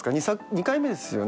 ２回目ですよね？